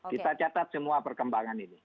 kita catat semua perkembangan ini